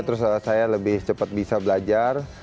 terus saya lebih cepat bisa belajar